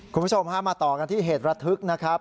คุณผู้ชมฮะมาต่อกันที่เหตุระทึกนะครับ